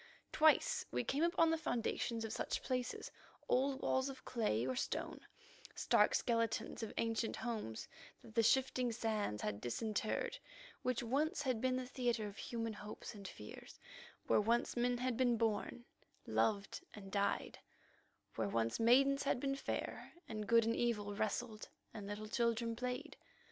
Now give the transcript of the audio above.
Twice we came upon the foundations of such places, old walls of clay or stone, stark skeletons of ancient homes that the shifting sands had disinterred, which once had been the theatre of human hopes and fears, where once men had been born, loved, and died, where once maidens had been fair, and good and evil wrestled, and little children played.